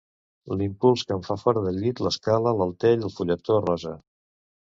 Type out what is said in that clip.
L'impuls que em fa fora del llit l'escala l'altell el fulletó rosa.